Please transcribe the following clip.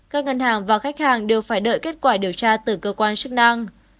các ngân hàng và khách hàng đều phải đợi kết quả điều tra từ cơ quan chức năng